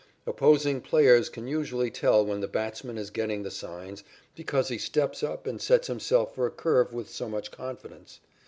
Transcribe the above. Opposing players can usually tell when the batsman is getting the signs, because he steps up and sets himself for a curve with so much confidence.